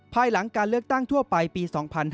ภายหลังการเลือกตั้งทั่วไปปี๒๕๕๙